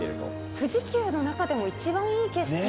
富士急の中でも一番いい景色